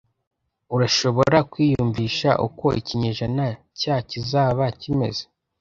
Urashobora kwiyumvisha uko ikinyejana cya kizaba kimeze?